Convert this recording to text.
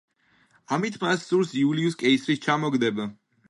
ამით მას სურს იულიუს კეისრის ჩამოგდება.